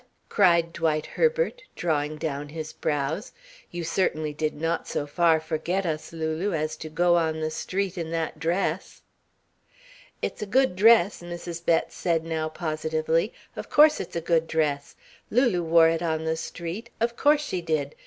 cried Dwight Herbert, drawing down his brows. "You certainly did not so far forget us, Lulu, as to go on the street in that dress?" "It's a good dress," Mrs. Bett now said positively. "Of course it's a good dress. Lulie wore it on the street of course she did.